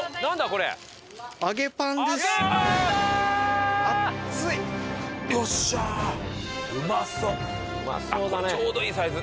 これちょうどいいサイズ。